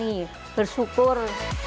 oh nih bersyukur